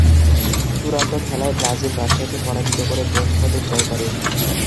চূড়ান্ত খেলায় ব্রাজিল রাশিয়াকে পরাজিত করে ব্রোঞ্জ পদক জয় করে।